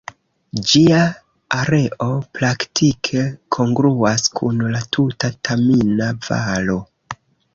Ĝia areo praktike kongruas kun la tuta Tamina-Valo.